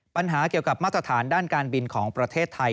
ปัญหาเกี่ยวกับมาตรฐานด้านการบินของประเทศไทย